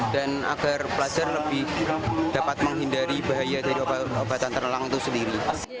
dan agar pelajar lebih dapat menghindari bahaya dari obatan terlarang itu sendiri